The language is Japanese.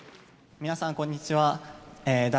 皆さん、こんにちは。